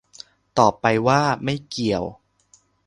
ตอบไปว่า "ไม่เกี่ยว"